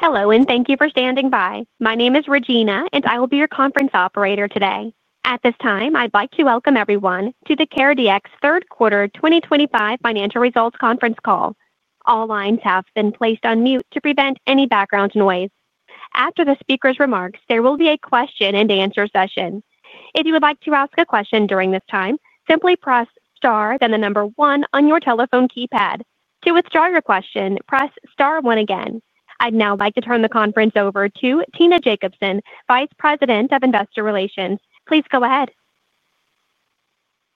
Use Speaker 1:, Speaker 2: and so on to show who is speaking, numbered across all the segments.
Speaker 1: Hello, and thank you for standing by. My name is Regina, and I will be your conference operator today. At this time, I'd like to welcome everyone to the CareDx third quarter 2025 financial results conference call. All lines have been placed on mute to prevent any background noise. After the speaker's remarks, there will be a question and answer session. If you would like to ask a question during this time, simply press star, then the number one on your telephone keypad. To withdraw your question, press star one again. I'd now like to turn the conference over to Tina Jacobsen, Vice President of Investor Relations. Please go ahead.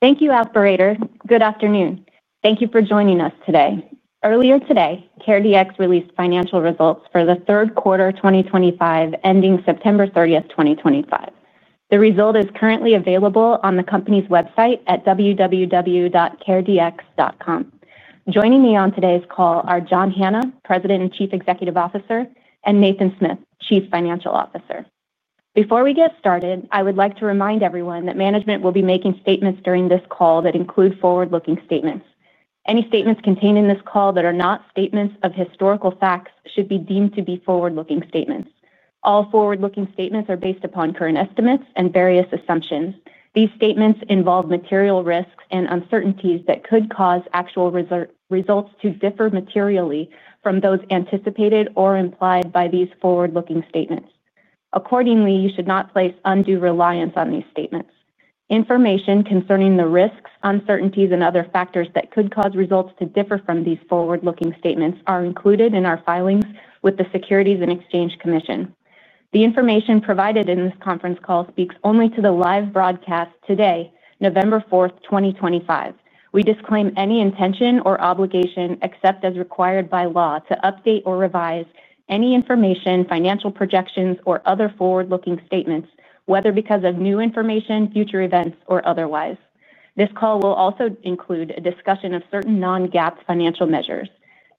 Speaker 2: Thank you, Operator. Good afternoon. Thank you for joining us today. Earlier today, CareDx released financial results for the third quarter 2025, ending September 30th, 2025. The result is currently available on the company's website at www.caredx.com. Joining me on today's call are John Hanna, President and Chief Executive Officer, and Nathan Smith, Chief Financial Officer. Before we get started, I would like to remind everyone that management will be making statements during this call that include forward-looking statements. Any statements contained in this call that are not statements of historical facts should be deemed to be forward-looking statements. All forward-looking statements are based upon current estimates and various assumptions. These statements involve material risks and uncertainties that could cause actual results to differ materially from those anticipated or implied by these forward-looking statements. Accordingly, you should not place undue reliance on these statements. Information concerning the risks, uncertainties, and other factors that could cause results to differ from these forward-looking statements are included in our filings with the Securities and Exchange Commission. The information provided in this conference call speaks only to the live broadcast today, November 4th, 2025. We disclaim any intention or obligation accepted as required by law to update or revise any information, financial projections, or other forward-looking statements, whether because of new information, future events, or otherwise. This call will also include a discussion of certain non-GAAP financial measures.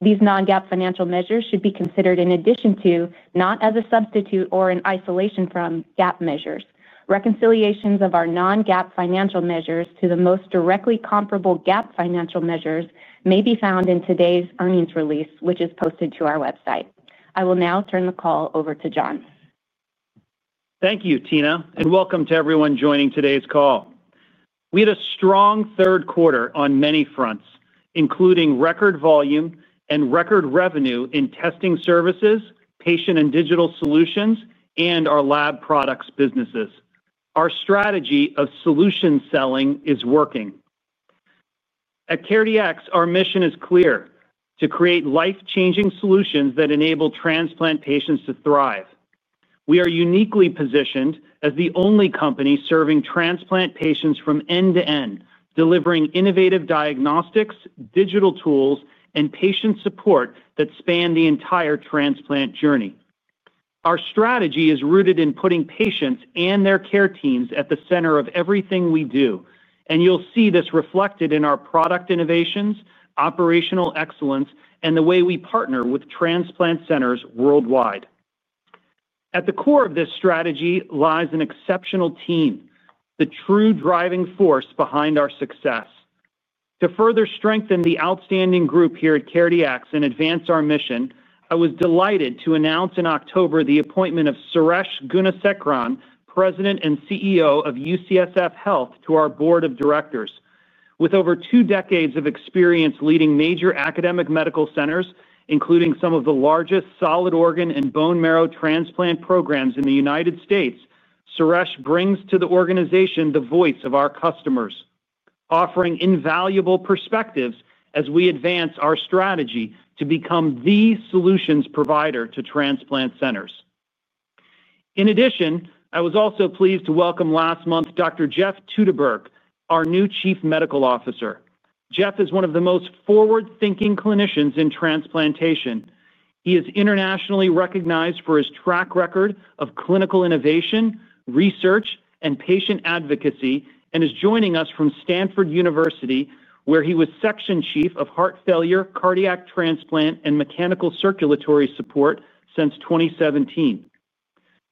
Speaker 2: These non-GAAP financial measures should be considered in addition to, not as a substitute or in isolation from, GAAP measures. Reconciliations of our non-GAAP financial measures to the most directly comparable GAAP financial measures may be found in today's earnings release, which is posted to our website. I will now turn the call over to John.
Speaker 3: Thank you, Tina, and welcome to everyone joining today's call. We had a strong third quarter on many fronts, including record volume and record revenue in testing services, patient and digital solutions, and our lab products businesses. Our strategy of solution selling is working. At CareDx, our mission is clear, to create life-changing solutions that enable transplant patients to thrive. We are uniquely positioned as the only company serving transplant patients from end to end, delivering innovative diagnostics, digital tools, and patient support that span the entire transplant journey. Our strategy is rooted in putting patients and their care teams at the center of everything we do, and you'll see this reflected in our product innovations, operational excellence, and the way we partner with transplant centers worldwide. At the core of this strategy lies an exceptional team, the true driving force behind our success. To further strengthen the outstanding group here at CareDx and advance our mission, I was delighted to announce in October the appointment of Suresh Gunasekaran, President and CEO of UCSF Health, to our Board of Directors. With over two decades of experience leading major academic medical centers, including some of the largest solid organ and bone marrow transplant programs in the United States, Suresh brings to the organization the voice of our customers, offering invaluable perspectives as we advance our strategy to become the solutions provider to transplant centers. In addition, I was also pleased to welcome last month Dr. Jeffrey Teuteberg, our new Chief Medical Officer. Jeff is one of the most forward-thinking clinicians in transplantation. He is internationally recognized for his track record of clinical innovation, research, and patient advocacy, and is joining us from Stanford University, where he was Section Chief of Heart Failure, Cardiac Transplant, and Mechanical Circulatory Support since 2017.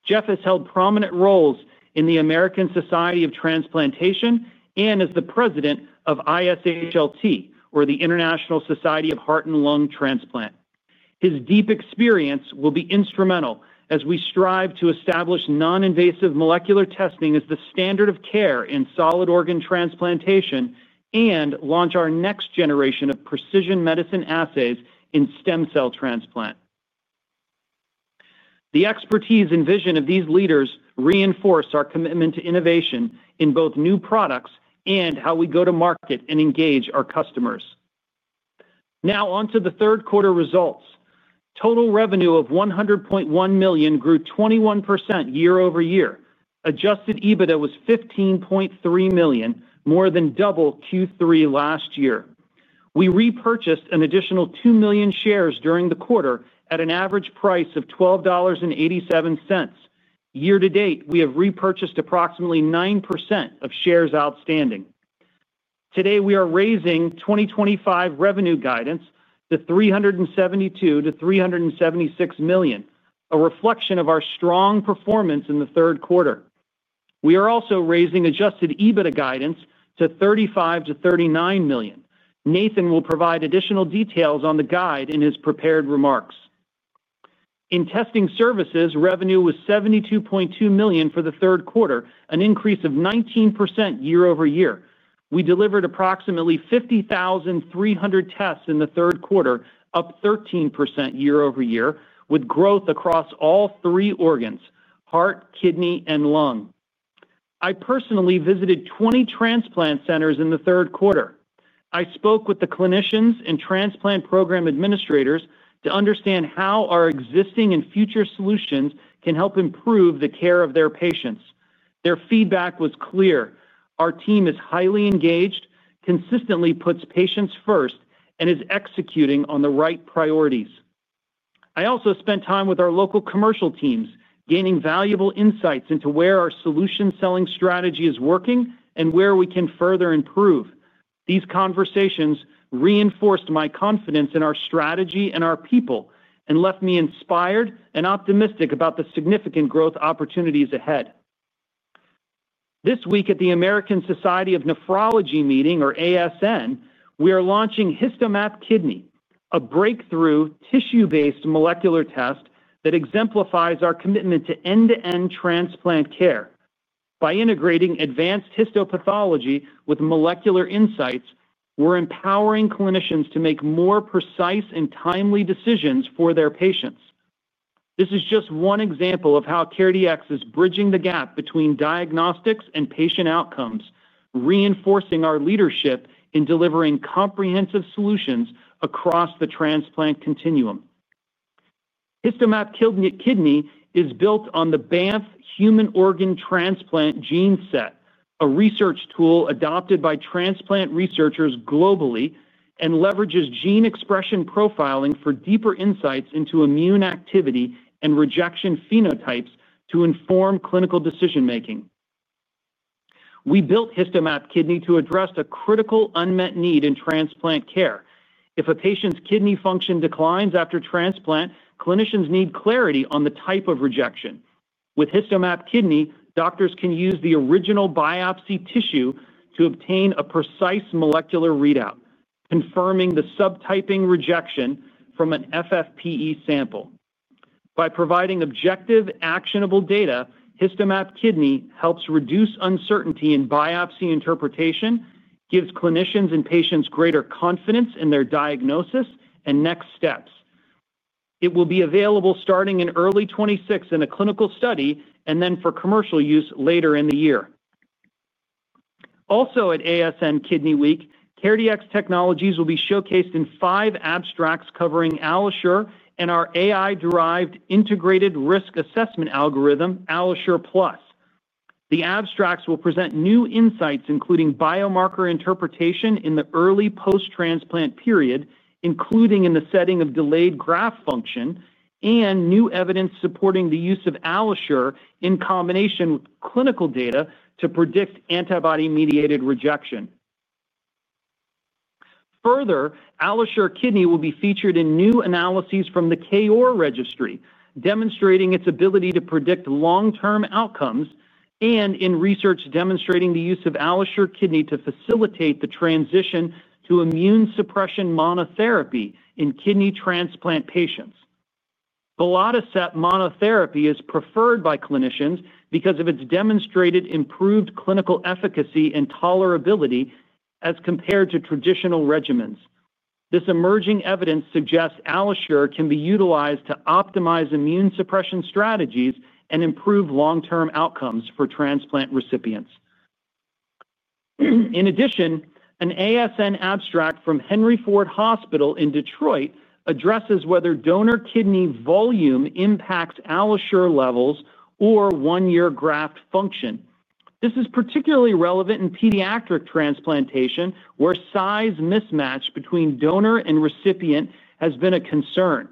Speaker 3: Jeff has held prominent roles in the American Society of Transplantation and as the President of ISHLT, or the International Society for Heart and Lung Transplantation. His deep experience will be instrumental as we strive to establish non-invasive molecular testing as the standard of care in solid organ transplantation and launch our next generation of precision medicine assays in stem cell transplant. The expertise and vision of these leaders reinforce our commitment to innovation in both new products and how we go to market and engage our customers. Now, onto the third quarter results. Total revenue of $100.1 million grew 21% year-over-year. Adjusted EBITDA was $15.3 million, more than double Q3 last year. We repurchased an additional two million shares during the quarter at an average price of $12.87. Year to date, we have repurchased approximately 9% of shares outstanding. Today, we are raising 2025 revenue guidance to $372-$376 million, a reflection of our strong performance in the third quarter. We are also raising adjusted EBITDA guidance to $35-$39 million. Nathan will provide additional details on the guide in his prepared remarks. In testing services, revenue was $72.2 million for the third quarter, an increase of 19% year over year. We delivered approximately 50,300 tests in the third quarter, up 13% year over year, with growth across all three organs: heart, kidney, and lung. I personally visited 20 transplant centers in the third quarter. I spoke with the clinicians and transplant program administrators to understand how our existing and future solutions can help improve the care of their patients. Their feedback was clear. Our team is highly engaged, consistently puts patients first, and is executing on the right priorities. I also spent time with our local commercial teams, gaining valuable insights into where our solution selling strategy is working and where we can further improve. These conversations reinforced my confidence in our strategy and our people and left me inspired and optimistic about the significant growth opportunities ahead. This week at the American Society of Nephrology meeting, or ASN, we are launching HistoMap Kidney, a breakthrough tissue-based molecular test that exemplifies our commitment to end-to-end transplant care. By integrating advanced histopathology with molecular insights, we're empowering clinicians to make more precise and timely decisions for their patients. This is just one example of how CareDx is bridging the gap between diagnostics and patient outcomes, reinforcing our leadership in delivering comprehensive solutions across the transplant continuum. HistoMap Kidney is built on the BANFF Human Organ Transplant Gene Set, a research tool adopted by transplant researchers globally and leverages gene expression profiling for deeper insights into immune activity and rejection phenotypes to inform clinical decision-making. We built HistoMap Kidney to address a critical unmet need in transplant care. If a patient's kidney function declines after transplant, clinicians need clarity on the type of rejection. With HistoMap Kidney, doctors can use the original biopsy tissue to obtain a precise molecular readout, confirming the subtyping rejection from an FFPE sample. By providing objective, actionable data, HistoMap Kidney helps reduce uncertainty in biopsy interpretation, gives clinicians and patients greater confidence in their diagnosis and next steps. It will be available starting in early 2026 in a clinical study and then for commercial use later in the year. Also, at ASN Kidney Week, CareDx Technologies will be showcased in five abstracts covering AlloSure and our AI-derived integrated risk assessment algorithm, AlloSure Plus. The abstracts will present new insights, including biomarker interpretation in the early post-transplant period. Including in the setting of delayed graft function and new evidence supporting the use of AlloSure in combination with clinical data to predict antibody-mediated rejection. Further, AlloSure Kidney will be featured in new analyses from the CAIR registry, demonstrating its ability to predict long-term outcomes and in research demonstrating the use of AlloSure Kidney to facilitate the transition to immune suppression monotherapy in kidney transplant patients. Belatacept monotherapy is preferred by clinicians because of its demonstrated improved clinical efficacy and tolerability as compared to traditional regimens. This emerging evidence suggests AlloSure can be utilized to optimize immune suppression strategies and improve long-term outcomes for transplant recipients. In addition, an ASN abstract from Henry Ford Hospital in Detroit addresses whether donor kidney volume impacts AlloSure levels or one-year graft function. This is particularly relevant in pediatric transplantation, where size mismatch between donor and recipient has been a concern.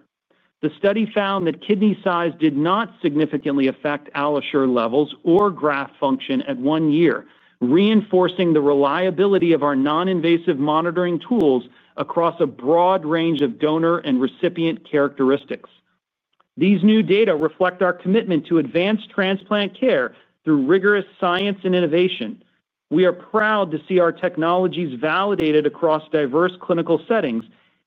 Speaker 3: The study found that kidney size did not significantly affect AlloSure levels or graft function at one year, reinforcing the reliability of our non-invasive monitoring tools across a broad range of donor and recipient characteristics. These new data reflect our commitment to advanced transplant care through rigorous science and innovation. We are proud to see our technologies validated across diverse clinical settings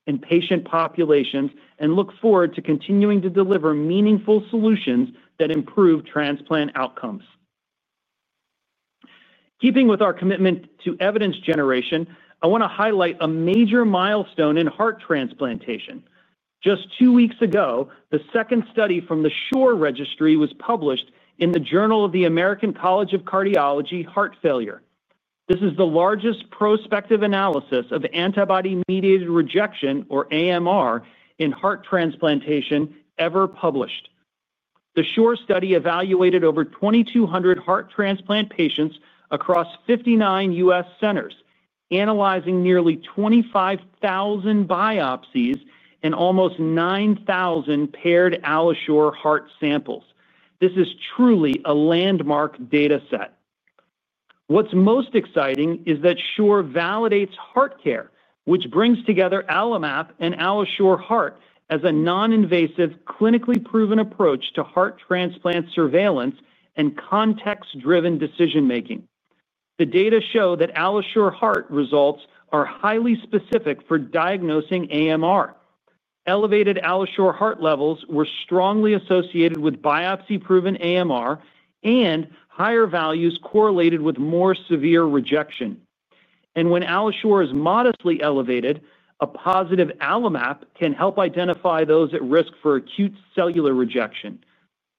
Speaker 3: and patient populations and look forward to continuing to deliver meaningful solutions that improve transplant outcomes. Keeping with our commitment to evidence generation, I want to highlight a major milestone in heart transplantation. Just two weeks ago, the second study from the SHORE Registry was published in the Journal of the American College of Cardiology: Heart Failure. This is the largest prospective analysis of antibody-mediated rejection, or AMR, in heart transplantation ever published. The SHORE study evaluated over 2,200 heart transplant patients across 59 U.S. centers, analyzing nearly 25,000 biopsies and almost 9,000 paired AlloSure Heart samples. This is truly a landmark data set. What's most exciting is that SHORE validates HeartCare, which brings together AlloMap and AlloSure Heart as a non-invasive, clinically proven approach to heart transplant surveillance and context-driven decision-making. The data show that AlloSure Heart results are highly specific for diagnosing AMR. Elevated AlloSure Heart levels were strongly associated with biopsy-proven AMR, and higher values correlated with more severe rejection, and when AlloSure is modestly elevated, a positive AlloMap can help identify those at risk for acute cellular rejection.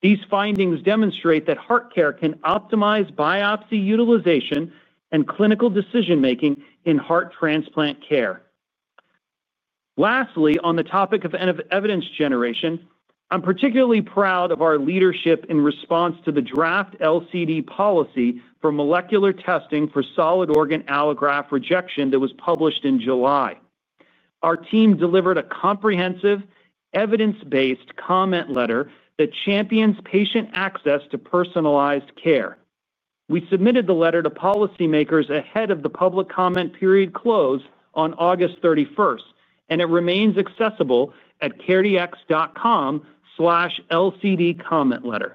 Speaker 3: These findings demonstrate that HeartCare can optimize biopsy utilization and clinical decision-making in heart transplant care. Lastly, on the topic of evidence generation, I'm particularly proud of our leadership in response to the draft LCD policy for molecular testing for solid organ allograft rejection that was published in July. Our team delivered a comprehensive, evidence-based comment letter that champions patient access to personalized care. We submitted the letter to policymakers ahead of the public comment period close on August 31st, and it remains accessible at caredx.com/LCDcommentletter.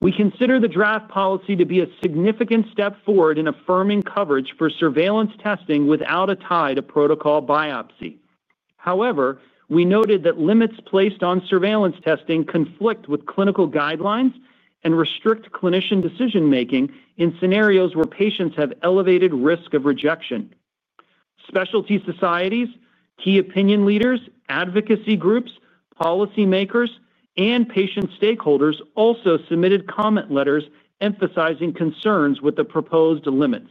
Speaker 3: We consider the draft policy to be a significant step forward in affirming coverage for surveillance testing without a tie to protocol biopsy. However, we noted that limits placed on surveillance testing conflict with clinical guidelines and restrict clinician decision-making in scenarios where patients have elevated risk of rejection. Specialty societies, key opinion leaders, advocacy groups, policymakers, and patient stakeholders also submitted comment letters emphasizing concerns with the proposed limits.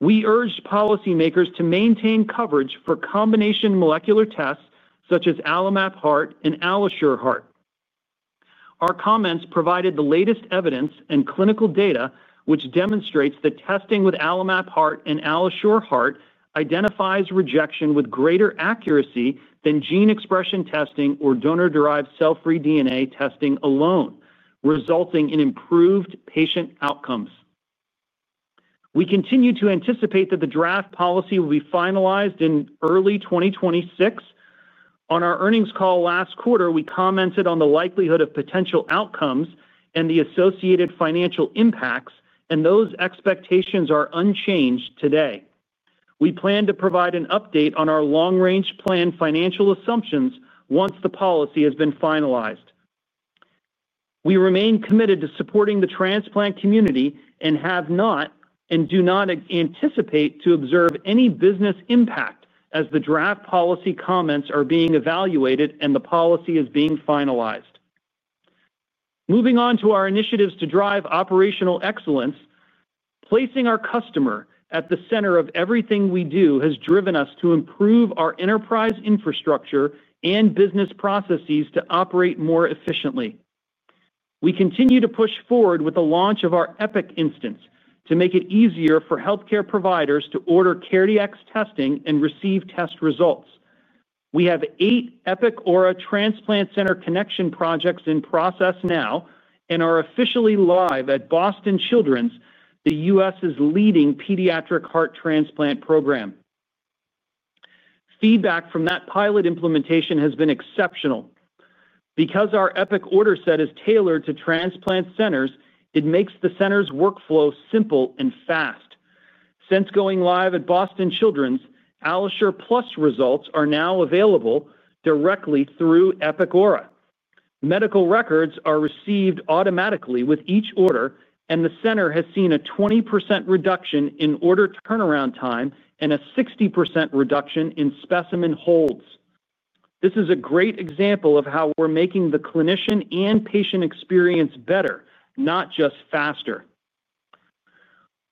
Speaker 3: We urged policymakers to maintain coverage for combination molecular tests such as AlloMap Heart and AlloSure Heart. Our comments provided the latest evidence and clinical data, which demonstrates that testing with AlloMap Heart and AlloSure Heart identifies rejection with greater accuracy than gene expression testing or donor-derived cell-free DNA testing alone, resulting in improved patient outcomes. We continue to anticipate that the draft policy will be finalized in early 2026. On our earnings call last quarter, we commented on the likelihood of potential outcomes and the associated financial impacts, and those expectations are unchanged today. We plan to provide an update on our long-range planned financial assumptions once the policy has been finalized. We remain committed to supporting the transplant community and have not and do not anticipate to observe any business impact as the draft policy comments are being evaluated and the policy is being finalized. Moving on to our initiatives to drive operational excellence, placing our customer at the center of everything we do has driven us to improve our enterprise infrastructure and business processes to operate more efficiently. We continue to push forward with the launch of our Epic instance to make it easier for healthcare providers to order CareDx testing and receive test results. We have eight Epic Aura Transplant Center connection projects in process now and are officially live at Boston Children's, the U.S.'s leading pediatric heart transplant program. Feedback from that pilot implementation has been exceptional. Because our Epic order set is tailored to transplant centers, it makes the center's workflow simple and fast. Since going live at Boston Children's, AlloSure Plus results are now available directly through Epic Aura. Medical records are received automatically with each order, and the center has seen a 20% reduction in order turnaround time and a 60% reduction in specimen holds. This is a great example of how we're making the clinician and patient experience better, not just faster.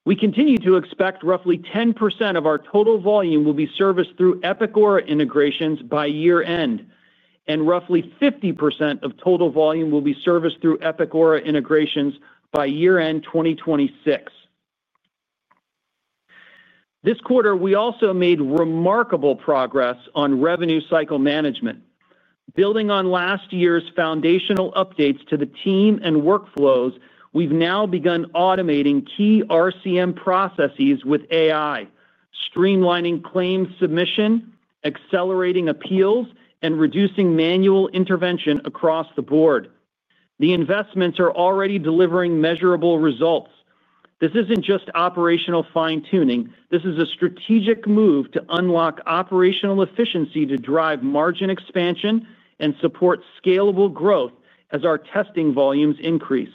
Speaker 3: We continue to expect roughly 10% of our total volume will be serviced through Epic Aura integrations by year-end, and roughly 50% of total volume will be serviced through Epic Aura integrations by year-end 2026. This quarter, we also made remarkable progress on revenue cycle management. Building on last year's foundational updates to the team and workflows, we've now begun automating key RCM processes with AI, streamlining claim submission, accelerating appeals, and reducing manual intervention across the board. The investments are already delivering measurable results. This isn't just operational fine-tuning. This is a strategic move to unlock operational efficiency to drive margin expansion and support scalable growth as our testing volumes increase.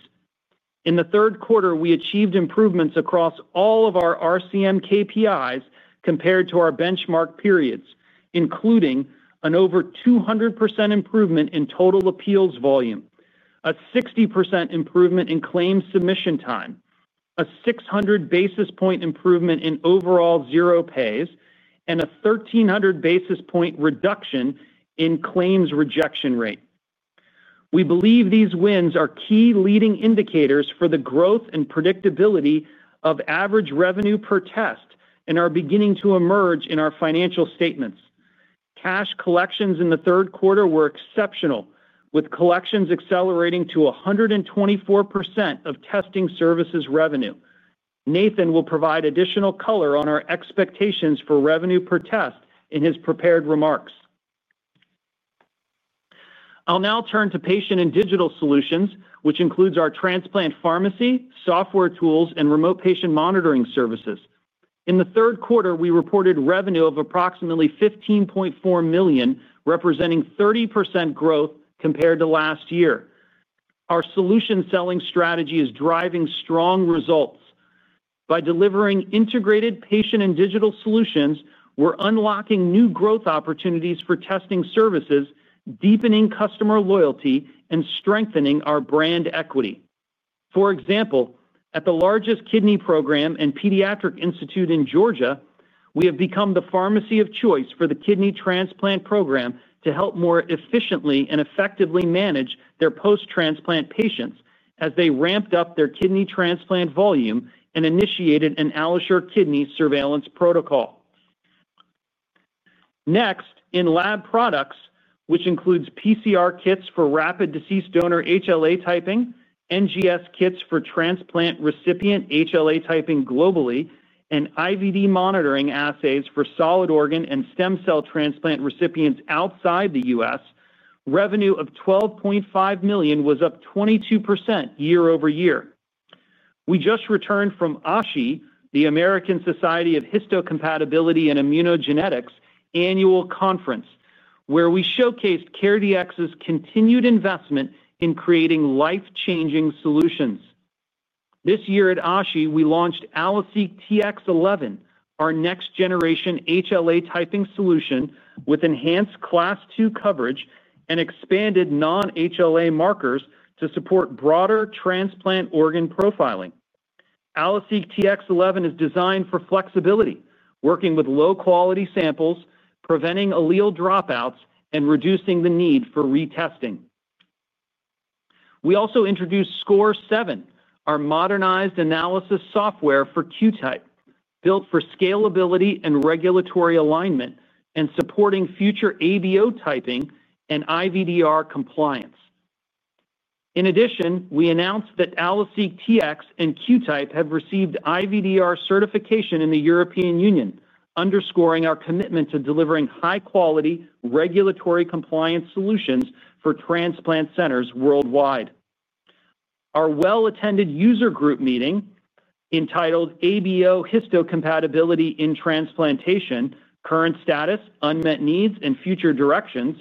Speaker 3: In the third quarter, we achieved improvements across all of our RCM KPIs compared to our benchmark periods, including an over 200% improvement in total appeals volume, a 60% improvement in claim submission time, a 600 basis point improvement in overall zero pays, and a 1,300 basis point reduction in claims rejection rate. We believe these wins are key leading indicators for the growth and predictability of average revenue per test and are beginning to emerge in our financial statements. Cash collections in the third quarter were exceptional, with collections accelerating to 124% of testing services revenue. Nathan will provide additional color on our expectations for revenue per test in his prepared remarks. I'll now turn to patient and digital solutions, which includes our transplant pharmacy, software tools, and remote patient monitoring services. In the third quarter, we reported revenue of approximately $15.4 million, representing 30% growth compared to last year. Our solution selling strategy is driving strong results. By delivering integrated patient and digital solutions, we're unlocking new growth opportunities for testing services, deepening customer loyalty, and strengthening our brand equity. For example, at the largest kidney program and pediatric institute in Georgia, we have become the pharmacy of choice for the kidney transplant program to help more efficiently and effectively manage their post-transplant patients as they ramped up their kidney transplant volume and initiated an AlloSure kidney surveillance protocol. Next, in lab products, which includes PCR kits for rapid deceased donor HLA typing, NGS kits for transplant recipient HLA typing globally, and IVD monitoring assays for solid organ and stem cell transplant recipients outside the U.S., revenue of $12.5 million was up 22% year over year. We just returned from ASHI, the American Society of Histocompatibility and Immunogenetics' annual conference, where we showcased CareDx's continued investment in creating life-changing solutions. This year at ASHI, we launched AlloSeq Tx11, our next-generation HLA typing solution with enhanced Class II coverage and expanded non-HLA markers to support broader transplant organ profiling. AlloSeq Tx11 is designed for flexibility, working with low-quality samples, preventing allele dropouts, and reducing the need for retesting. We also introduced SCORE 7, our modernized analysis software for QType, built for scalability and regulatory alignment and supporting future ABO typing and IVDR compliance. In addition, we announced that AlloSeq Tx and QType have received IVDR certification in the European Union, underscoring our commitment to delivering high-quality regulatory compliance solutions for transplant centers worldwide. Our well-attended user group meeting entitled "ABO Histocompatibility in Transplantation: Current Status, Unmet Needs, and Future Directions"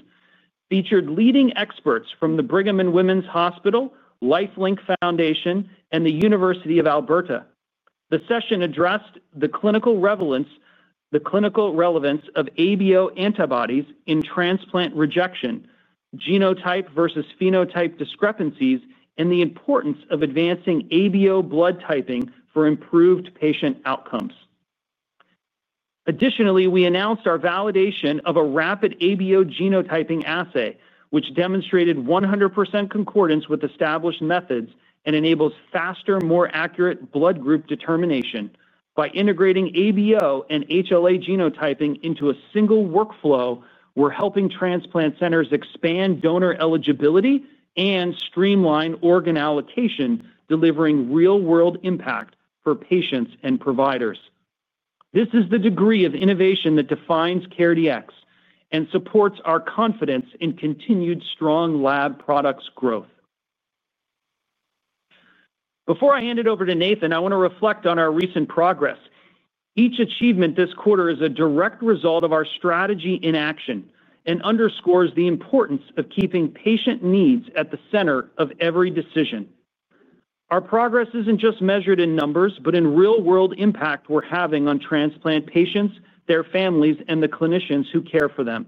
Speaker 3: featured leading experts from the Brigham and Women's Hospital, LifeLink Foundation, and the University of Alberta. The session addressed the clinical relevance of ABO antibodies in transplant rejection, genotype versus phenotype discrepancies, and the importance of advancing ABO blood typing for improved patient outcomes. Additionally, we announced our validation of a rapid ABO genotyping assay, which demonstrated 100% concordance with established methods and enables faster, more accurate blood group determination. By integrating ABO and HLA genotyping into a single workflow, we're helping transplant centers expand donor eligibility and streamline organ allocation, delivering real-world impact for patients and providers. This is the degree of innovation that defines CareDx and supports our confidence in continued strong lab products growth. Before I hand it over to Nathan, I want to reflect on our recent progress. Each achievement this quarter is a direct result of our strategy in action and underscores the importance of keeping patient needs at the center of every decision. Our progress isn't just measured in numbers, but in real-world impact we're having on transplant patients, their families, and the clinicians who care for them.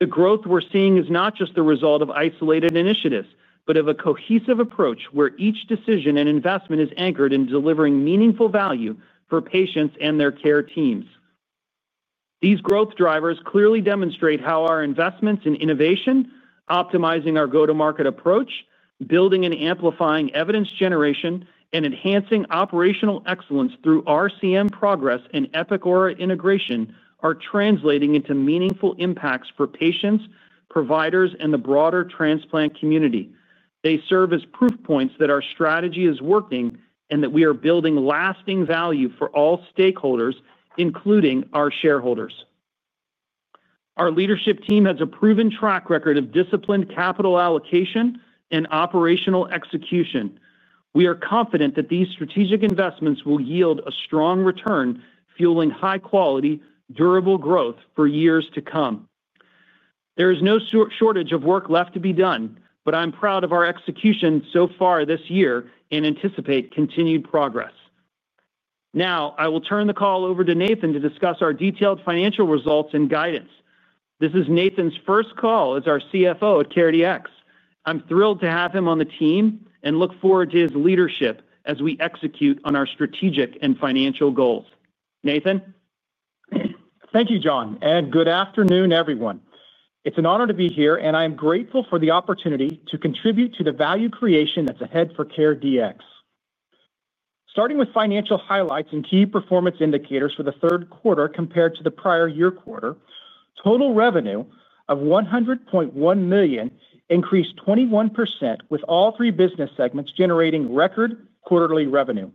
Speaker 3: The growth we're seeing is not just the result of isolated initiatives, but of a cohesive approach where each decision and investment is anchored in delivering meaningful value for patients and their care teams. These growth drivers clearly demonstrate how our investments in innovation, optimizing our go-to-market approach, building and amplifying evidence generation, and enhancing operational excellence through RCM progress and Epic Aura integration are translating into meaningful impacts for patients, providers, and the broader transplant community. They serve as proof points that our strategy is working and that we are building lasting value for all stakeholders, including our shareholders. Our leadership team has a proven track record of disciplined capital allocation and operational execution. We are confident that these strategic investments will yield a strong return, fueling high-quality, durable growth for years to come. There is no shortage of work left to be done, but I'm proud of our execution so far this year and anticipate continued progress. Now, I will turn the call over to Nathan to discuss our detailed financial results and guidance. This is Nathan's first call as our CFO at CareDx. I'm thrilled to have him on the team and look forward to his leadership as we execute on our strategic and financial goals. Nathan?
Speaker 4: Thank you, John. And good afternoon, everyone. It's an honor to be here, and I'm grateful for the opportunity to contribute to the value creation that's ahead for CareDx. Starting with financial highlights and key performance indicators for the third quarter compared to the prior year quarter, total revenue of $100.1 million increased 21%, with all three business segments generating record quarterly revenue.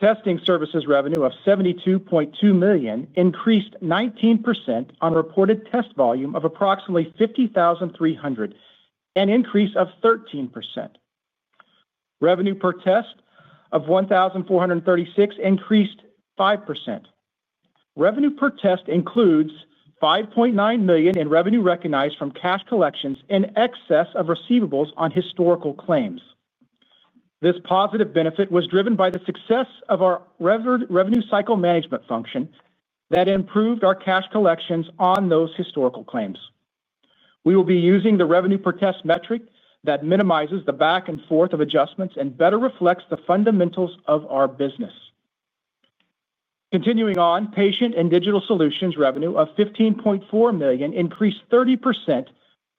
Speaker 4: Testing services revenue of $72.2 million increased 19% on reported test volume of approximately 50,300, an increase of 13%. Revenue per test of $1,436 increased 5%. Revenue per test includes $5.9 million in revenue recognized from cash collections in excess of receivables on historical claims. This positive benefit was driven by the success of our revenue cycle management function that improved our cash collections on those historical claims. We will be using the revenue per test metric that minimizes the back and forth of adjustments and better reflects the fundamentals of our business. Continuing on, patient and digital solutions revenue of $15.4 million increased 30%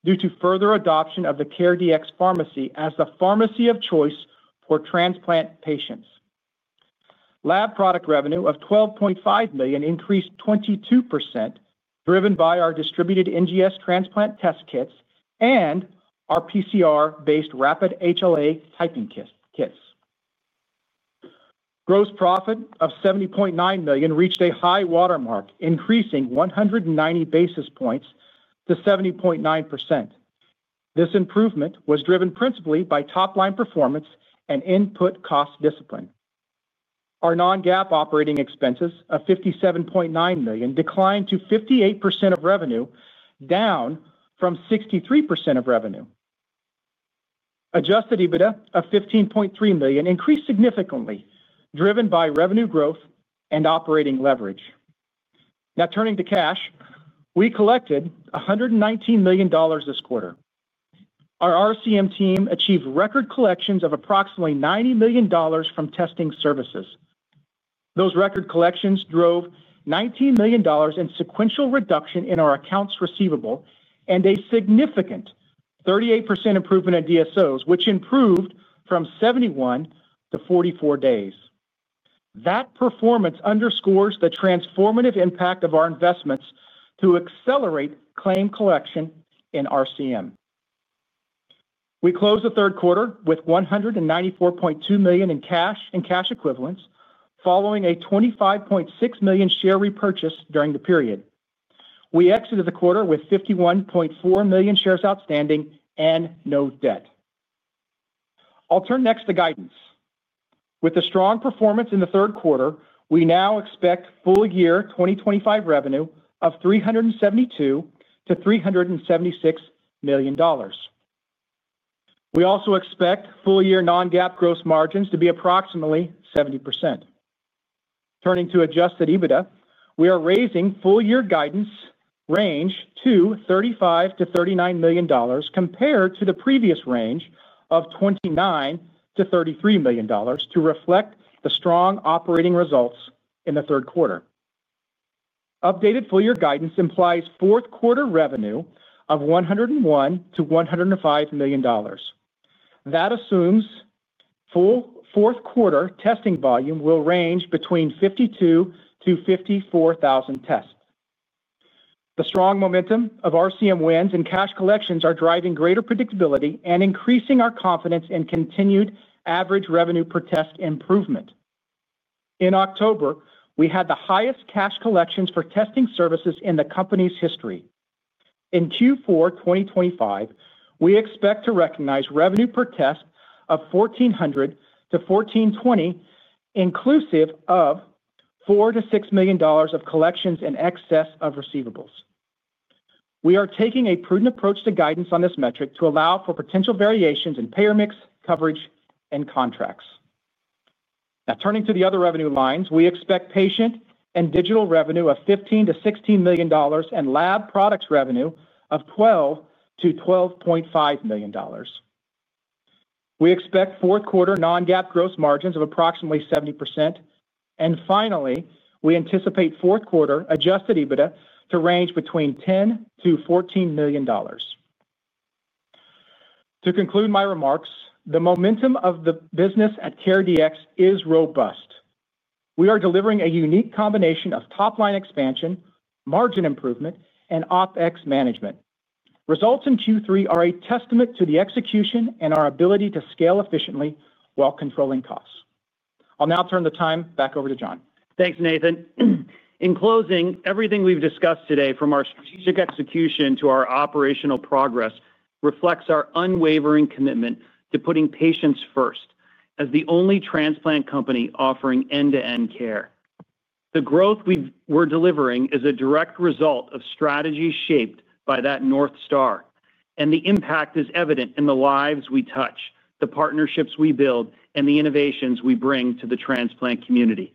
Speaker 4: due to further adoption of the CareDx Pharmacy as the pharmacy of choice for transplant patients. Lab product revenue of $12.5 million increased 22%, driven by our distributed NGS transplant test kits and our PCR-based rapid HLA typing kits. Gross profit of $70.9 million reached a high watermark, increasing 190 basis points to 70.9%. This improvement was driven principally by top-line performance and input cost discipline. Our non-GAAP operating expenses of $57.9 million declined to 58% of revenue, down from 63% of revenue. Adjusted EBITDA of $15.3 million increased significantly, driven by revenue growth and operating leverage. Now, turning to cash, we collected $119 million this quarter. Our RCM team achieved record collections of approximately $90 million from testing services. Those record collections drove $19 million in sequential reduction in our accounts receivable and a significant 38% improvement in DSOs, which improved from 71 to 44 days. That performance underscores the transformative impact of our investments to accelerate claim collection in RCM. We closed the third quarter with $194.2 million in cash and cash equivalents, following a $25.6 million share repurchase during the period. We exited the quarter with 51.4 million shares outstanding and no debt. I'll turn next to guidance. With the strong performance in the third quarter, we now expect full-year 2025 revenue of $372-$376 million. We also expect full-year non-GAAP gross margins to be approximately 70%. Turning to Adjusted EBITDA, we are raising full-year guidance range to $35-$39 million compared to the previous range of $29-$33 million to reflect the strong operating results in the third quarter. Updated full-year guidance implies fourth-quarter revenue of $101-$105 million. That assumes full quarter testing volume will range between 52,000-54,000 tests. The strong momentum of RCM wins and cash collections are driving greater predictability and increasing our confidence in continued average revenue per test improvement. In October, we had the highest cash collections for testing services in the company's history. In Q4 2025, we expect to recognize revenue per test of $1,400-$1,420, inclusive of $4-$6 million of collections in excess of receivables. We are taking a prudent approach to guidance on this metric to allow for potential variations in payer mix, coverage, and contracts. Now, turning to the other revenue lines, we expect patient and digital revenue of $15-$16 million and lab products revenue of $12-$12.5 million. We expect fourth-quarter non-GAAP gross margins of approximately 70%. And finally, we anticipate fourth-quarter Adjusted EBITDA to range between $10-$14 million. To conclude my remarks, the momentum of the business at CareDx is robust. We are delivering a unique combination of top-line expansion, margin improvement, and OpEx management. Results in Q3 are a testament to the execution and our ability to scale efficiently while controlling costs. I'll now turn the time back over to John.
Speaker 3: Thanks, Nathan. In closing, everything we've discussed today, from our strategic execution to our operational progress, reflects our unwavering commitment to putting patients first as the only transplant company offering end-to-end care. The growth we're delivering is a direct result of strategy shaped by that North Star, and the impact is evident in the lives we touch, the partnerships we build, and the innovations we bring to the transplant community.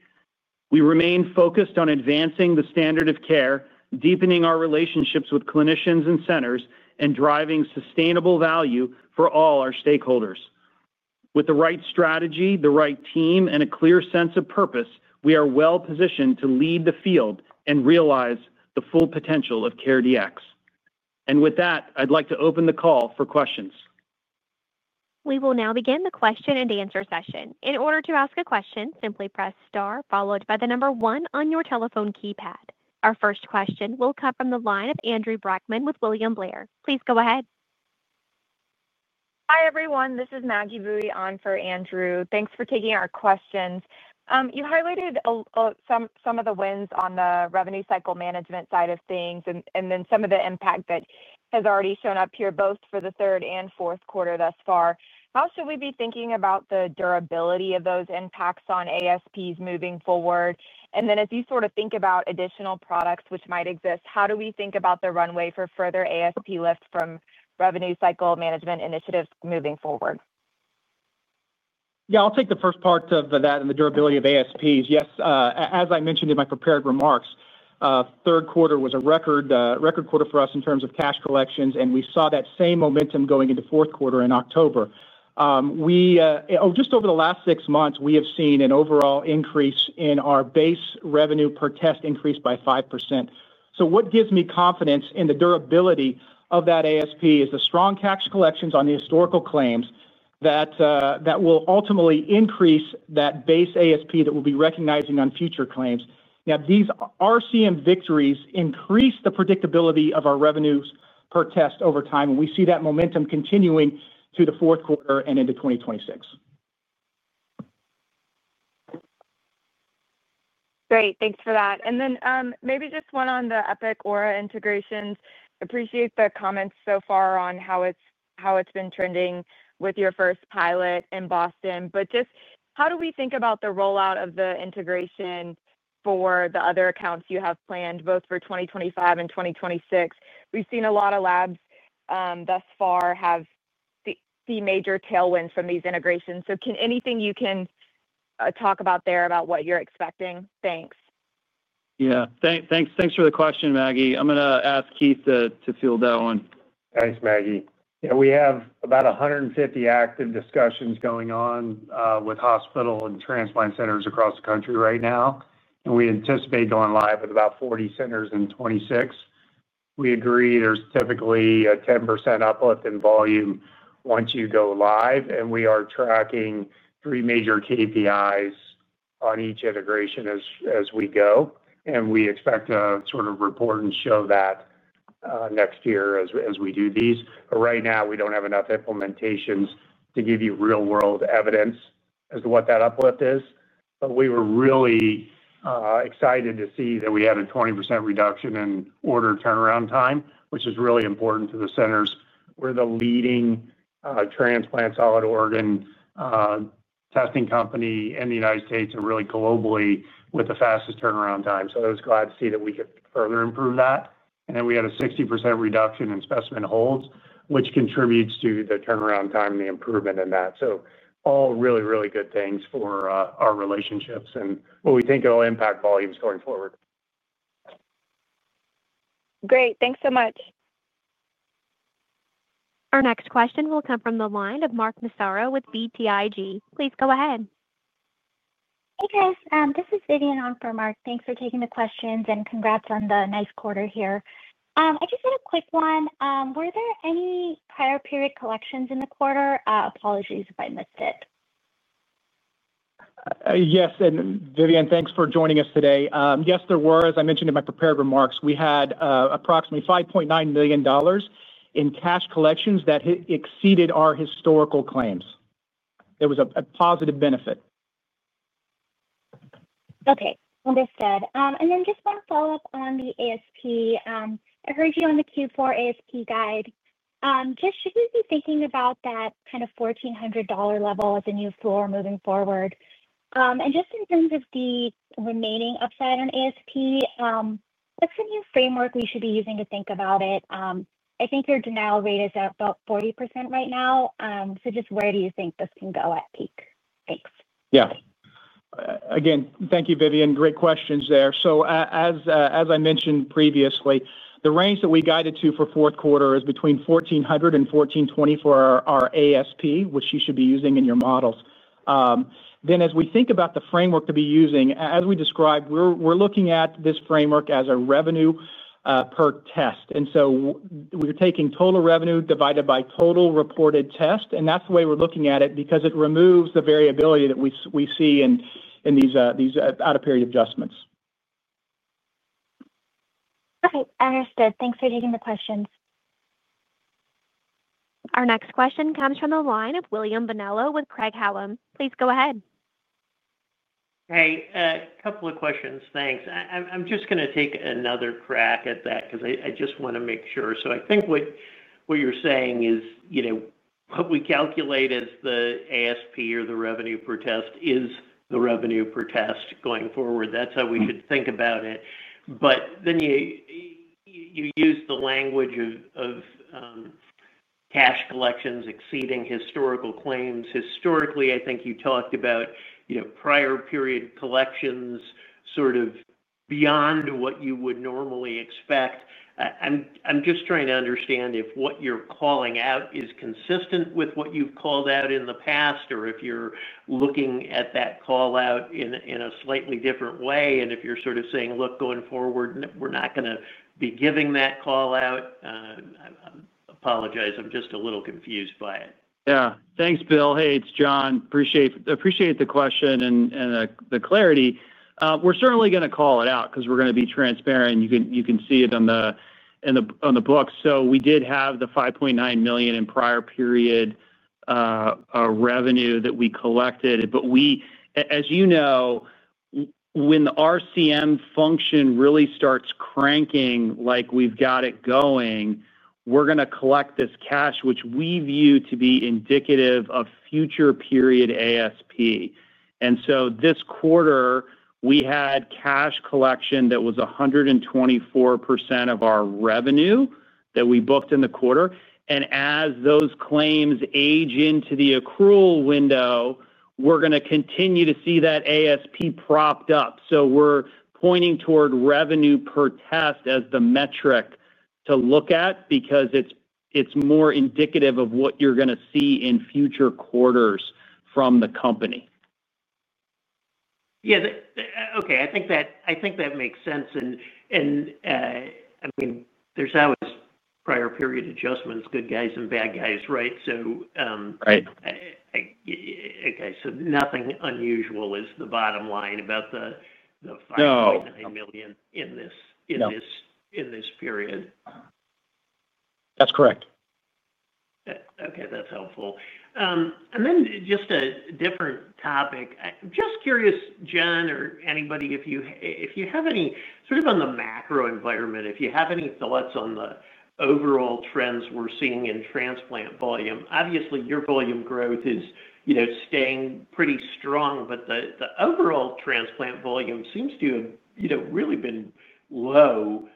Speaker 3: We remain focused on advancing the standard of care, deepening our relationships with clinicians and centers, and driving sustainable value for all our stakeholders. With the right strategy, the right team, and a clear sense of purpose, we are well-positioned to lead the field and realize the full potential of CareDx. And with that, I'd like to open the call for questions.
Speaker 1: We will now begin the question-and-answer session. In order to ask a question, simply press star followed by the number one on your telephone keypad. Our first question will come from the line of Andrew Brackmann with William Blair. Please go ahead.
Speaker 5: Hi, everyone. This is Maggie Boeye on for Andrew. Thanks for taking our questions. You highlighted some of the wins on the revenue cycle management side of things and then some of the impact that has already shown up here, both for the third and fourth quarter thus far. How should we be thinking about the durability of those impacts on ASPs moving forward? And then as you sort of think about additional products which might exist, how do we think about the runway for further ASP lift from revenue cycle management initiatives moving forward?
Speaker 3: Yeah, I'll take the first part of that and the durability of ASPs. Yes, as I mentioned in my prepared remarks, third quarter was a record quarter for us in terms of cash collections, and we saw that same momentum going into fourth quarter in October. Just over the last six months, we have seen an overall increase in our base revenue per test increased by 5%. So what gives me confidence in the durability of that ASP is the strong cash collections on the historical claims that will ultimately increase that base ASP that we'll be recognizing on future claims. Now, these RCM victories increase the predictability of our revenues per test over time, and we see that momentum continuing through the fourth quarter and into 2026.
Speaker 5: Great. Thanks for that. And then maybe just one on the Epic Aura integrations. Appreciate the comments so far on how it's been trending with your first pilot in Boston. But just how do we think about the rollout of the integration for the other accounts you have planned, both for 2025 and 2026? We've seen a lot of labs thus far have the major tailwinds from these integrations. So can you talk about what you're expecting there? Thanks.
Speaker 3: Yeah. Thanks for the question, Maggie. I'm going to ask Keith to field that one.
Speaker 6: Thanks, Maggie. Yeah, we have about 150 active discussions going on with hospital and transplant centers across the country right now. And we anticipate going live with about 40 centers in 2026. We agree there's typically a 10% uplift in volume once you go live, and we are tracking three major KPIs on each integration as we go. And we expect to sort of report and show that next year as we do these. But right now, we don't have enough implementations to give you real-world evidence as to what that uplift is. But we were really. Excited to see that we had a 20% reduction in order turnaround time, which is really important to the centers. We're the leading transplant solid organ testing company in the United States and really globally with the fastest turnaround time. So I was glad to see that we could further improve that. And then we had a 60% reduction in specimen holds, which contributes to the turnaround time and the improvement in that. So all really, really good things for our relationships and what we think it'll impact volumes going forward.
Speaker 5: Great. Thanks so much.
Speaker 1: Our next question will come from the line of Mark Massaro with BTIG. Please go ahead.
Speaker 7: Hey, guys. This is Vidyun on for Mark. Thanks for taking the questions and congrats on the nice quarter here. I just had a quick one. Were there any prior period collections in the quarter? Apologies if I missed it.
Speaker 3: Yes. And Vidyun, thanks for joining us today. Yes, there were. As I mentioned in my prepared remarks, we had approximately $5.9 million in cash collections that exceeded our historical claims. There was a positive benefit.
Speaker 7: Okay. Understood. And then just want to follow up on the ASP. I heard you on the Q4 ASP guide. Just should we be thinking about that kind of $1,400 level as a new floor moving forward? And just in terms of the remaining upside on ASP. What's the new framework we should be using to think about it? I think your denial rate is at about 40% right now. So just where do you think this can go at peak? Thanks.
Speaker 3: Yeah. Again, thank you, Vidyun. Great questions there. So as I mentioned previously, the range that we guided to for fourth quarter is between $1,400 and $1,420 for our ASP, which you should be using in your models. Then as we think about the framework to be using, as we described, we're looking at this framework as a revenue per test. And so we're taking total revenue divided by total reported test. And that's the way we're looking at it because it removes the variability that we see in these out-of-period adjustments.
Speaker 7: Okay. Understood. Thanks for taking the questions.
Speaker 1: Our next question comes from the line of William Bonello with Craig-Hallum. Please go ahead.
Speaker 8: Hey, a couple of questions. Thanks. I'm just going to take another crack at that because I just want to make sure. So I think what you're saying is. What we calculate as the ASP or the revenue per test is the revenue per test going forward. That's how we should think about it. But then. You use the language of. Cash collections exceeding historical claims. Historically, I think you talked about. Prior period collections sort of beyond what you would normally expect. I'm just trying to understand if what you're calling out is consistent with what you've called out in the past, or if you're looking at that call out in a slightly different way. And if you're sort of saying, "Look, going forward, we're not going to be giving that call out." I apologize. I'm just a little confused by it.
Speaker 3: Yeah. Thanks, Bill. Hey, it's John. Appreciate the question and the clarity. We're certainly going to call it out because we're going to be transparent. You can see it on the books. So we did have the $5.9 million in prior period revenue that we collected. But as you know, when the RCM function really starts cranking like we've got it going, we're going to collect this cash, which we view to be indicative of future period ASP. And so this quarter, we had cash collection that was 124% of our revenue that we booked in the quarter. And as those claims age into the accrual window, we're going to continue to see that ASP propped up. So we're pointing toward revenue per test as the metric to look at because it's more indicative of what you're going to see in future quarters from the company.
Speaker 8: Yeah. Okay. I think that makes sense. And I mean, there's always prior period adjustments, good guys and bad guys, right? So okay, so nothing unusual is the bottom line about the $5.9 million in this period.
Speaker 3: That's correct.
Speaker 8: Okay. That's helpful. And then just a different topic. I'm just curious, John, or anybody, if you have any sort of on the macro environment, if you have any thoughts on the overall trends we're seeing in transplant volume. Obviously, your volume growth is staying pretty strong, but the overall transplant volume seems to have really been low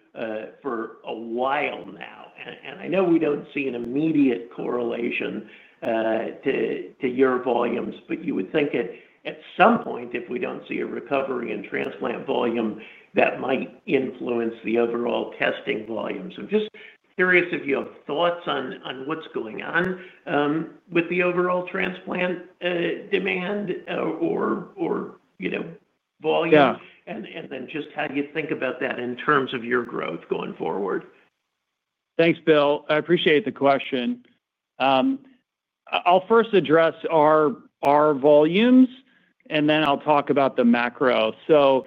Speaker 8: for a while now. And I know we don't see an immediate correlation to your volumes, but you would think at some point, if we don't see a recovery in transplant volume, that might influence the overall testing volume. So just curious if you have thoughts on what's going on with the overall transplant demand or volume, and then just how you think about that in terms of your growth going forward.
Speaker 3: Thanks, Bill. I appreciate the question. I'll first address our volumes, and then I'll talk about the macro. So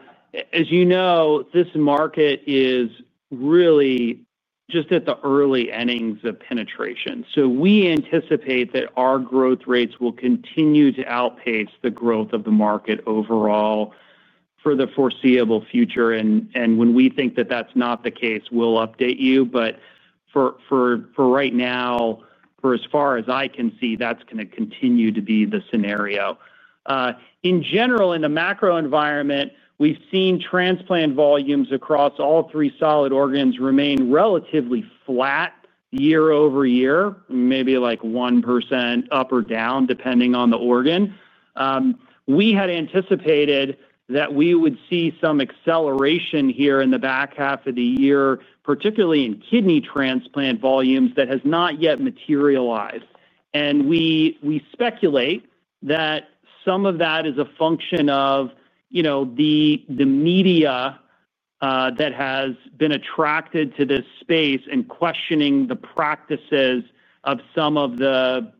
Speaker 3: as you know, this market is really just at the early innings of penetration. So we anticipate that our growth rates will continue to outpace the growth of the market overall for the foreseeable future. And when we think that that's not the case, we'll update you. But for right now, for as far as I can see, that's going to continue to be the scenario. In general, in the macro environment, we've seen transplant volumes across all three solid organs remain relatively flat year over year, maybe like 1% up or down, depending on the organ. We had anticipated that we would see some acceleration here in the back half of the year, particularly in kidney transplant volumes that has not yet materialized. And we speculate that some of that is a function of the media. That has been attracted to this space and questioning the practices of some of the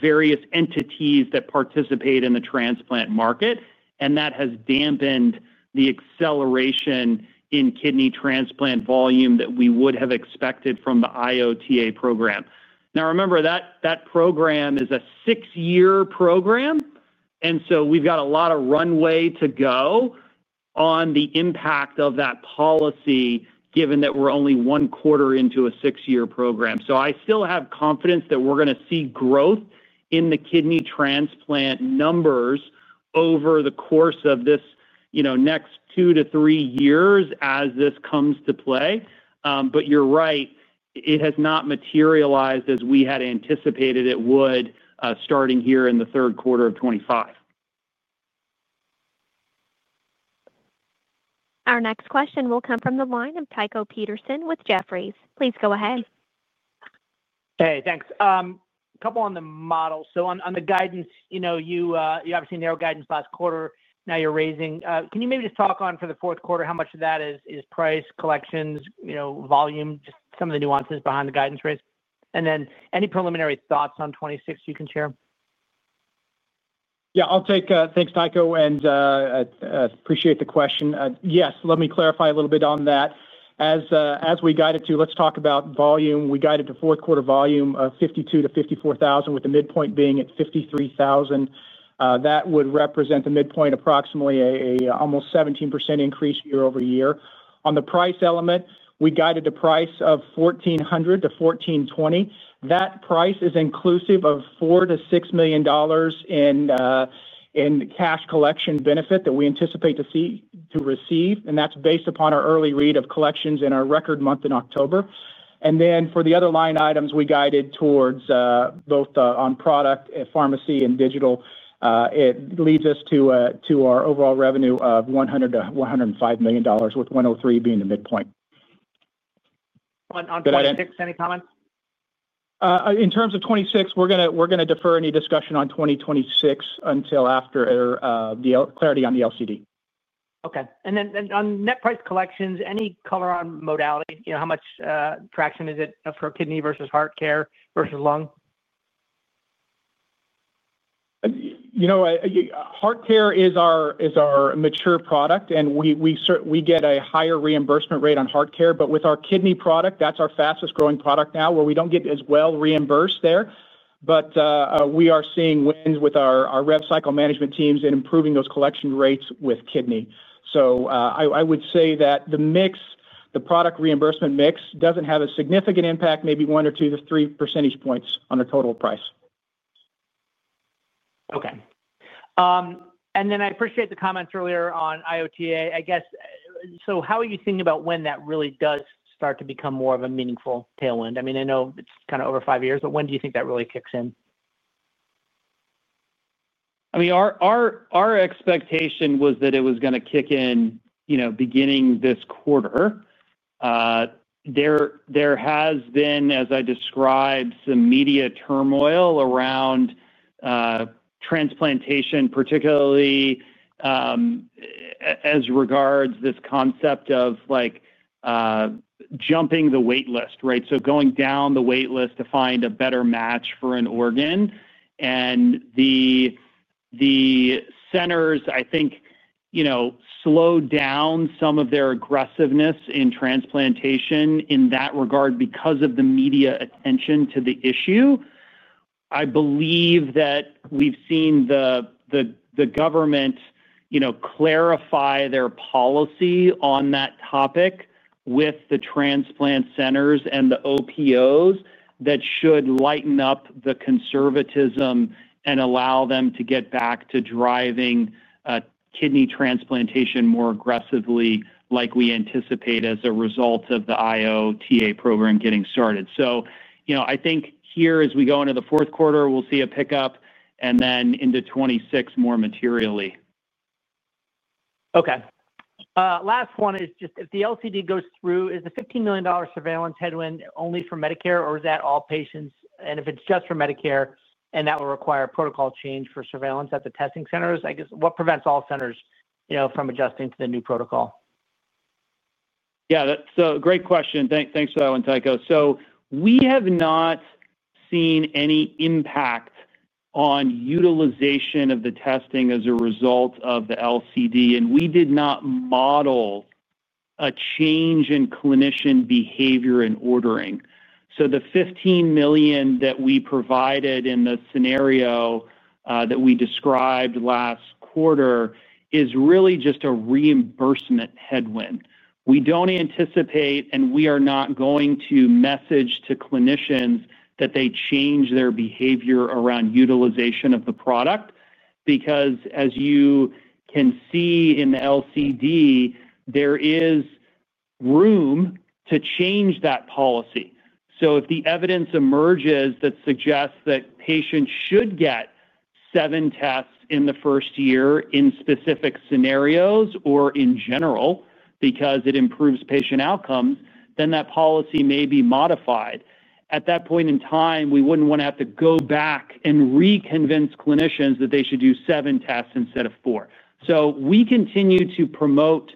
Speaker 3: various entities that participate in the transplant market. And that has dampened the acceleration in kidney transplant volume that we would have expected from the IOTA program. Now, remember, that program is a six-year program. And so we've got a lot of runway to go on the impact of that policy, given that we're only one quarter into a six-year program. So I still have confidence that we're going to see growth in the kidney transplant numbers over the course of this next two to three years as this comes to play. But you're right, it has not materialized as we had anticipated it would starting here in the third quarter of 2025.
Speaker 1: Our next question will come from the line of Tycho Peterson with Jefferies. Please go ahead.
Speaker 9: Hey, thanks. A couple on the model. So on the guidance, you obviously narrowed guidance last quarter. Now you're raising. Can you maybe just talk on for the fourth quarter, how much of that is price, collections, volume, just some of the nuances behind the guidance raise? And then any preliminary thoughts on 2026 you can share?
Speaker 6: Yeah, I'll take thanks, Tycho, and appreciate the question. Yes, let me clarify a little bit on that. As we guided to, let's talk about volume. We guided to fourth quarter volume of 52,000 to 54,000, with the midpoint being at 53,000. That would represent the midpoint, approximately an almost 17% increase year over year. On the price element, we guided a price of $1,400 to $1,420. That price is inclusive of $4 million to $6 million in cash collection benefit that we anticipate to receive. And that's based upon our early read of collections in our record month in October. And then for the other line items, we guided towards both on product, pharmacy, and digital. It leads us to our overall revenue of $100 million to $105 million, with 103 being the midpoint.
Speaker 9: On 2026, any comments?
Speaker 6: In terms of 2026, we're going to defer any discussion on 2026 until after the clarity on the LCD.
Speaker 9: Okay. And then on net price collections, any color on modality? How much traction is it for kidney versus heart care versus lung?
Speaker 6: Heart care is our mature product, and we get a higher reimbursement rate on heart care. But with our kidney product, that's our fastest growing product now, where we don't get as well reimbursed there. But we are seeing wins with our rev cycle management teams in improving those collection rates with kidney. So I would say that the product reimbursement mix doesn't have a significant impact, maybe one or two to three percentage points on the total price.
Speaker 9: Okay. And then I appreciate the comments earlier on IOTA. I guess, so how are you thinking about when that really does start to become more of a meaningful tailwind? I mean, I know it's kind of over five years, but when do you think that really kicks in?
Speaker 6: I mean. Our expectation was that it was going to kick in beginning this quarter. There has been, as I described, some media turmoil around transplantation, particularly. As regards this concept of jumping the waitlist, right? So going down the waitlist to find a better match for an organ. And the centers, I think, slowed down some of their aggressiveness in transplantation in that regard because of the media attention to the issue. I believe that we've seen the government clarify their policy on that topic with the transplant centers and the OPOs that should lighten up the conservatism and allow them to get back to driving kidney transplantation more aggressively like we anticipate as a result of the IOTA program getting started. So I think here, as we go into the fourth quarter, we'll see a pickup, and then into 2026, more materially.
Speaker 9: Okay. Last one is just if the LCD goes through, is the $15 million surveillance headwind only for Medicare, or is that all patients? And if it's just for Medicare and that will require a protocol change for surveillance at the testing centers, I guess, what prevents all centers from adjusting to the new protocol?
Speaker 3: Yeah. So great question. Thanks for that one, Tycho. So we have not seen any impact on utilization of the testing as a result of the LCD, and we did not model a change in clinician behavior and ordering. So the $15 million that we provided in the scenario that we described last quarter is really just a reimbursement headwind. We don't anticipate, and we are not going to message to clinicians that they change their behavior around utilization of the product because, as you can see in the LCD, there is room to change that policy. So if the evidence emerges that suggests that patients should get seven tests in the first year in specific scenarios or in general because it improves patient outcomes, then that policy may be modified. At that point in time, we wouldn't want to have to go back and reconvince clinicians that they should do seven tests instead of four. So we continue to promote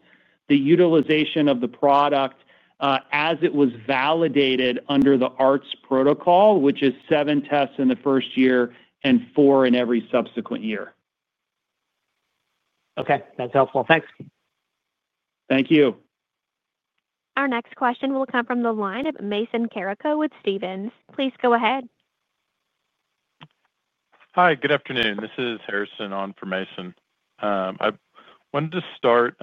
Speaker 3: the utilization of the product as it was validated under the ARTS protocol, which is seven tests in the first year and four in every subsequent year.
Speaker 9: Okay. That's helpful. Thanks.
Speaker 3: Thank you.
Speaker 1: Our next question will come from the line of Mason Carrico with Stephens. Please go ahead.
Speaker 10: Hi. Good afternoon. This is Harrison on for Mason. I wanted to start.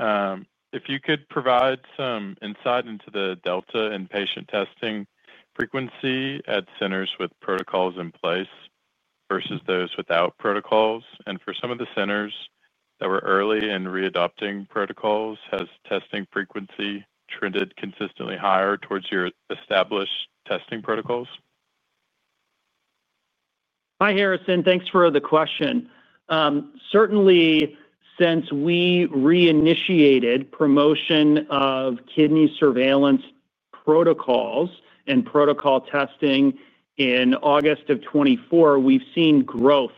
Speaker 10: If you could provide some insight into the delta in patient testing frequency at centers with protocols in place versus those without protocols. And for some of the centers that were early in readopting protocols, has testing frequency trended consistently higher towards your established testing protocols?
Speaker 3: Hi, Harrison. Thanks for the question. Certainly. Since we reinitiated promotion of kidney surveillance protocols and protocol testing in August of 2024, we've seen growth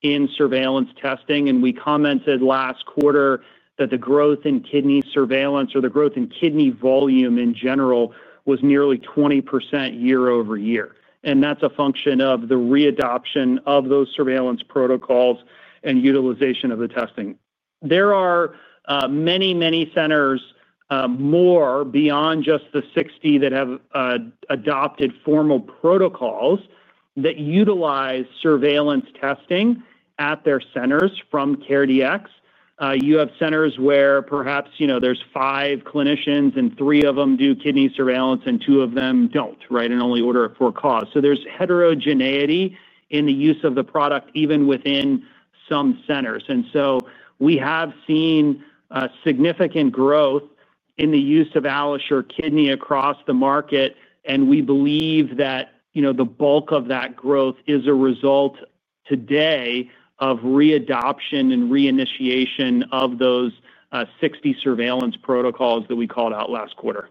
Speaker 3: in surveillance testing. And we commented last quarter that the growth in kidney surveillance or the growth in kidney volume in general was nearly 20% year over year. And that's a function of the readoption of those surveillance protocols and utilization of the testing. There are many, many centers, more beyond just the 60 that have adopted formal protocols that utilize surveillance testing at their centers from CareDx. You have centers where perhaps there's five clinicians and three of them do kidney surveillance and two of them don't, right, and only order it for cause. So there's heterogeneity in the use of the product even within some centers. And so we have seen significant growth in the use of AlloSure Kidney across the market, and we believe that the bulk of that growth is a result today of readoption and reinitiation of those 60 surveillance protocols that we called out last quarter.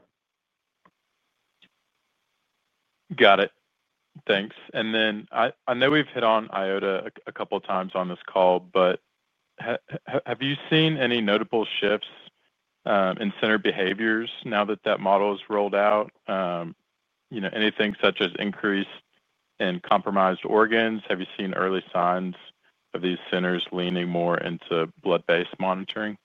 Speaker 10: Got it. Thanks. And then I know we've hit on IOTA a couple of times on this call, but have you seen any notable shifts in center behaviors now that that model is rolled out? Anything such as increase in compromised organs? Have you seen early signs of these centers leaning more into blood-based monitoring?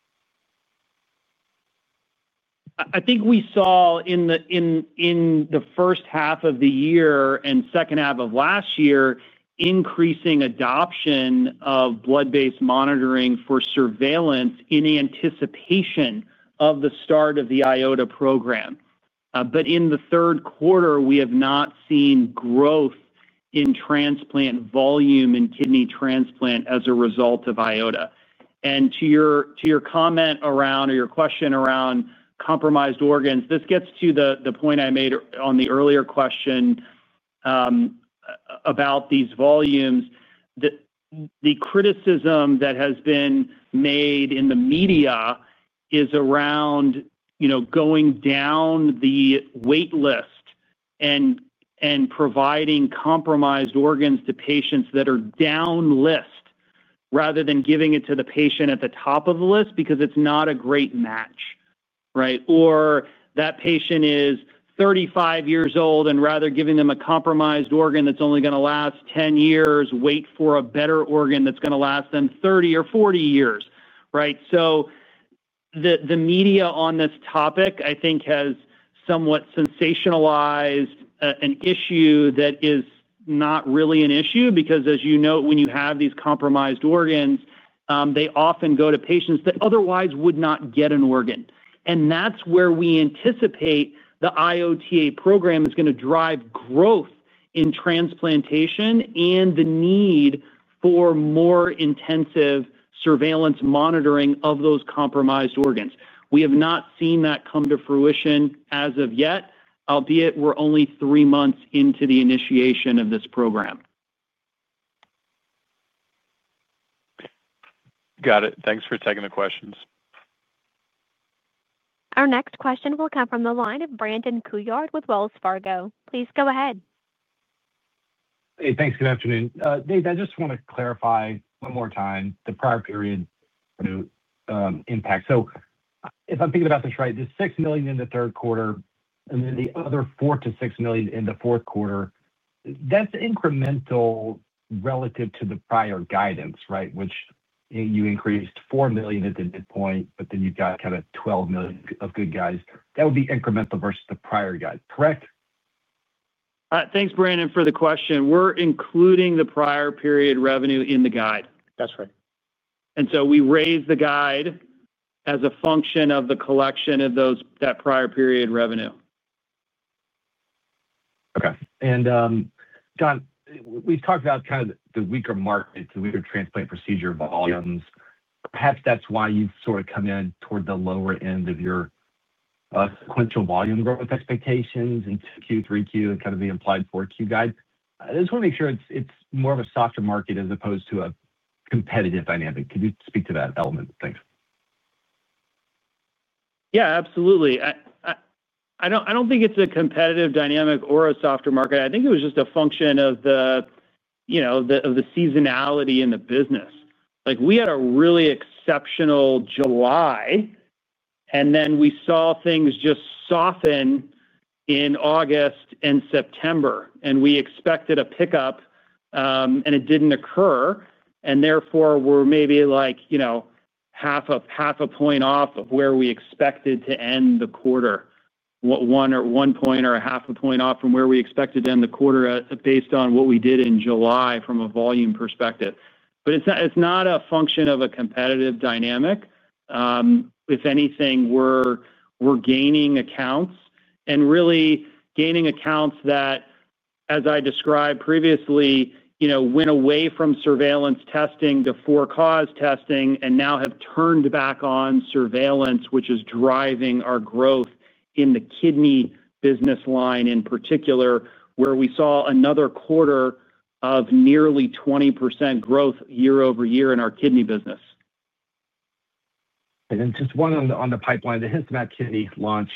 Speaker 3: I think we saw in the first half of the year and second half of last year increasing adoption of blood-based monitoring for surveillance in anticipation of the start of the IOTA program. But in the third quarter, we have not seen growth in transplant volume in kidney transplant as a result of IOTA. And to your comment around or your question around compromised organs, this gets to the point I made on the earlier question about these volumes. The criticism that has been made in the media is around going down the waitlist and providing compromised organs to patients that are down the list rather than giving it to the patient at the top of the list because it's not a great match, right? Or that patient is 35 years old and rather giving them a compromised organ that's only going to last 10 years, wait for a better organ that's going to last them 30 or 40 years, right? So the media on this topic, I think, has somewhat sensationalized an issue that is not really an issue because, as you note, when you have these compromised organs, they often go to patients that otherwise would not get an organ. And that's where we anticipate the IOTA program is going to drive growth in transplantation and the need for more intensive surveillance monitoring of those compromised organs. We have not seen that come to fruition as of yet, albeit we're only three months into the initiation of this program.
Speaker 10: Got it. Thanks for taking the questions.
Speaker 1: Our next question will come from the line of Brandon Couillard with Wells Fargo. Please go ahead.
Speaker 11: Hey, thanks. Good afternoon. John, I just want to clarify one more time the prior period impact. So if I'm thinking about this right, the $6 million in the third quarter and then the other $4-$6 million in the fourth quarter, that's incremental relative to the prior guidance, right, which you increased $4 million at the midpoint, but then you've got kind of $12 million of good guys. That would be incremental versus the prior guide, correct?
Speaker 3: Thanks, Brandon, for the question. We're including the prior period revenue in the guide. That's right. And so we raised the guide as a function of the collection of that prior period revenue.
Speaker 11: Okay. And John, we've talked about kind of the weaker market, the weaker transplant procedure volumes. Perhaps that's why you've sort of come in toward the lower end of your sequential volume growth expectations in Q3 and Q4 and kind of the implied 4Q guide. I just want to make sure it's more of a softer market as opposed to a competitive dynamic. Could you speak to that element? Thanks.
Speaker 3: Yeah, absolutely. I don't think it's a competitive dynamic or a softer market. I think it was just a function of the seasonality in the business. We had a really exceptional July, and then we saw things just soften in August and September, and we expected a pickup. And it didn't occur. And therefore, we're maybe like half a point off of where we expected to end the quarter, one point or a half a point off from where we expected to end the quarter based on what we did in July from a volume perspective. But it's not a function of a competitive dynamic. If anything, we're gaining accounts and really gaining accounts that as I described previously went away from surveillance testing to for-cause testing and now have turned back on surveillance, which is driving our growth in the kidney business line in particular, where we saw another quarter of nearly 20% growth year over year in our kidney business.
Speaker 11: And then just one on the pipeline, the HistoMap Kidney launch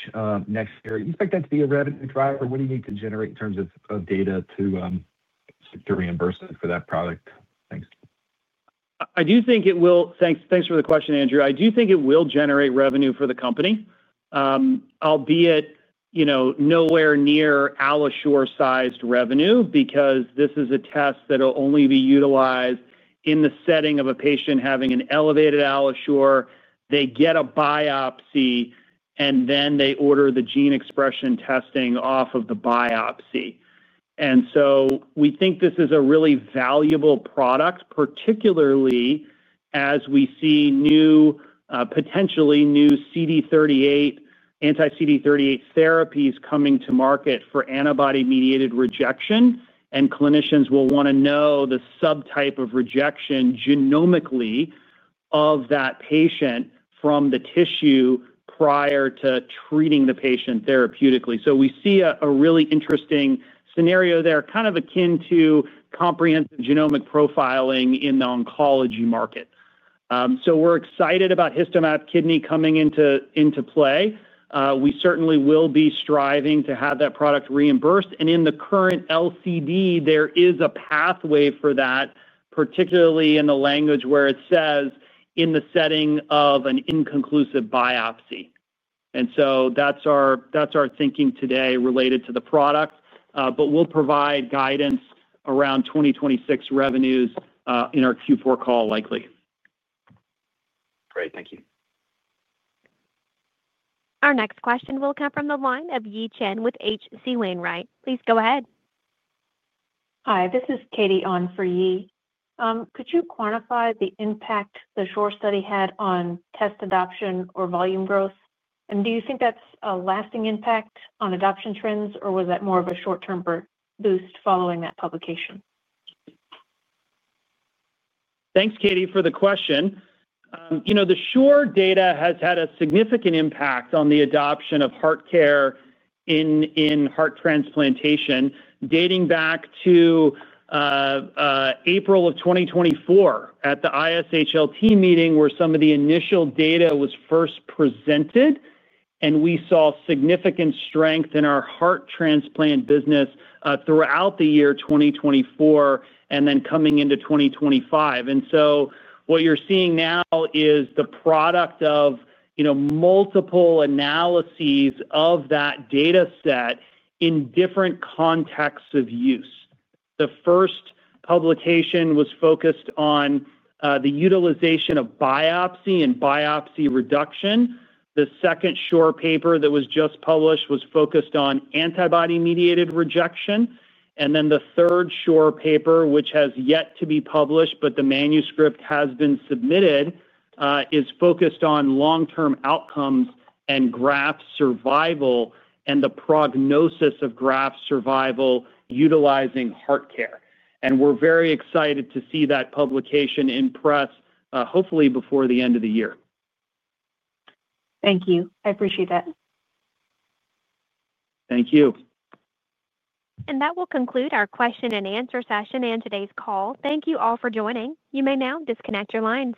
Speaker 11: next year, do you expect that to be a revenue driver? What do you need to generate in terms of data to reimburse it for that product? Thanks.
Speaker 3: I do think it will. Thanks for the question, Brandon. I do think it will generate revenue for the company. Albeit nowhere near AlloSure-sized revenue because this is a test that will only be utilized in the setting of a patient having an elevated AlloSure. They get a biopsy, and then they order the gene expression testing off of the biopsy. And so we think this is a really valuable product, particularly as we see potentially new anti-CD38 therapies coming to market for antibody-mediated rejection. And clinicians will want to know the subtype of rejection genomically of that patient from the tissue prior to treating the patient therapeutically. So we see a really interesting scenario there, kind of akin to comprehensive genomic profiling in the oncology market. So we're excited about HistoMap kidney coming into play. We certainly will be striving to have that product reimbursed. And in the current LCD, there is a pathway for that, particularly in the language where it says in the setting of an inconclusive biopsy. And so that's our thinking today related to the product. But we'll provide guidance around 2026 revenues in our Q4 call likely.
Speaker 11: Great. Thank you.
Speaker 1: Our next question will come from the line of Yi Chen with HC Wainwright. Please go ahead. Hi. This is Katie on for Yi. Could you quantify the impact the SHORE study had on test adoption or volume growth? And do you think that's a lasting impact on adoption trends, or was that more of a short-term boost following that publication?
Speaker 3: Thanks, Katie, for the question. The SHORE data has had a significant impact on the adoption of HeartCare in heart transplantation dating back to April of 2024 at the ISHLT meeting where some of the initial data was first presented. And we saw significant strength in our heart transplant business throughout the year 2024 and then coming into 2025. And so what you're seeing now is the product of multiple analyses of that dataset in different contexts of use. The first publication was focused on the utilization of biopsy and biopsy reduction. The second SHORE paper that was just published was focused on antibody-mediated rejection. And then the third SHORE paper, which has yet to be published, but the manuscript has been submitted, is focused on long-term outcomes and graft survival and the prognosis of graft survival utilizing HeartCare. And we're very excited to see that publication in press, hopefully before the end of the year. Thank you. I appreciate that. Thank you.
Speaker 1: And that will conclude our question and answer session and today's call. Thank you all for joining. You may now disconnect your line.